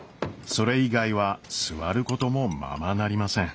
それ以外は座ることもままなりません。